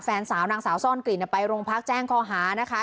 แฟนสาวนางสาวซ่อนกลิ่นไปโรงพักแจ้งข้อหานะคะ